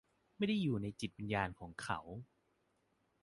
ไม่ได้อยู่ในจิตวิญญาณของเขา ?